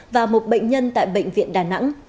và một bệnh nhân tại bệnh viện đà nẵng